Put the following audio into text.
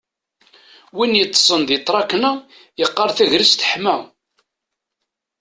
Win yeṭṭsen di tṛakna yeqqar tagrest teḥma